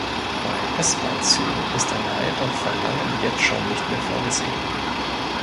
Bei S-Bahnzügen ist ein Halt auf Verlangen jetzt schon nicht mehr vorgesehen.